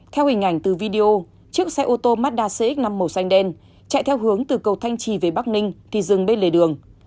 theo hình ảnh từ video chiếc xe ô tô mazda cx năm màu xanh đen chạy theo hướng từ cầu thanh trì về bắc ninh thì dừng bên lề đường